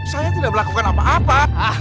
saya tidak melakukan apa apa